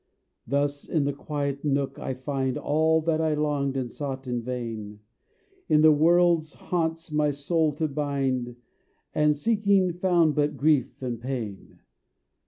Thus in this quiet nook I find All that I longed and sought in vain In the world's haunts, my soul to bind, And, seeking, found but grief and pain.